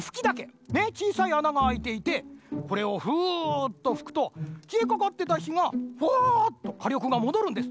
ちいさいあながあいていてこれをフーッとふくときえかかってたひがフワーッとかりょくがもどるんです。